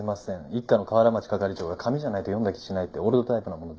一課の河原町係長が紙じゃないと読んだ気しないってオールドタイプなもので。